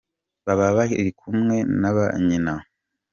Baba bari kumwe na ba nyina.